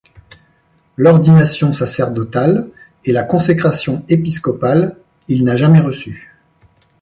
L'ordination sacerdotale et la consécration épiscopale, il n'a jamais reçu.